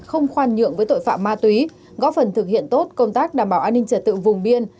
không khoan nhượng với tội phạm ma túy góp phần thực hiện tốt công tác đảm bảo an ninh trật tự vùng biên